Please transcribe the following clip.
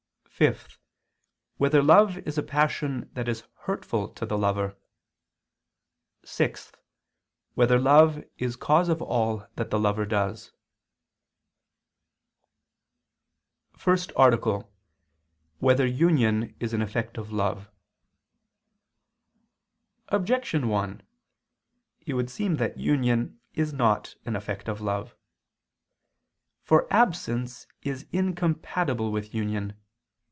(5) Whether love is a passion that is hurtful to the lover? (6) Whether love is cause of all that the lover does? ________________________ FIRST ARTICLE [I II, Q. 28, Art. 1] Whether Union Is an Effect of Love? Objection 1: It would seem that union is not an effect of love. For absence is incompatible with union.